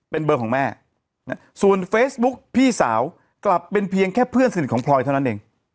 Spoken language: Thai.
เป็นเบอร์ของแม่ส่วนเฟซบุ๊กพี่สาวกลับเป็นเพียงแค่เพื่อนสนิทของพลอยเท่านั้นเอง